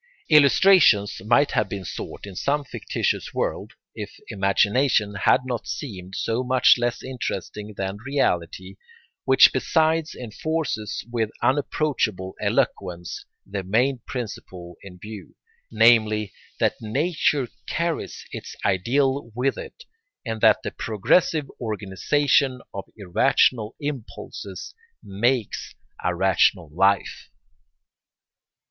Illustrations might have been sought in some fictitious world, if imagination had not seemed so much less interesting than reality, which besides enforces with unapproachable eloquence the main principle in view, namely, that nature carries its ideal with it and that the progressive organisation of irrational impulses makes a rational life.